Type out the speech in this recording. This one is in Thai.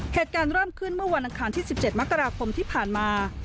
เหตุการณ์เริ่มขึ้นเมื่อวันอังคารที่๑๗มกราคมที่ผ่านมา